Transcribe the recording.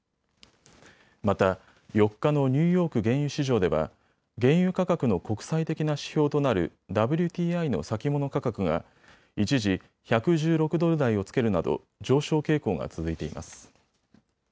また、４日のニューヨーク原油市場では原油価格の国際的な指標となるＷＴＩの先物価格が一時、１１６ドル台をつけるなど上昇傾向が続いています。